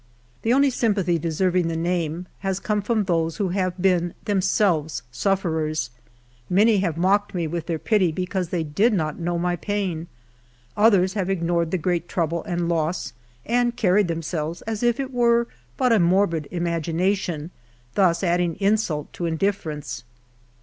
The only sympathy deserving the name has come from those who have been themselves sufferers ; many have mocked me with their pity because they did not know my pain ; others have ignored the great trouble and loss, and carried themselves as if it were but a morbid imagination, thus adding insult to indifference.